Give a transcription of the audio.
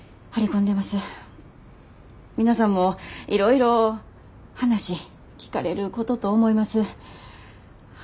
皆さんもいろいろ話聞かれることと思います。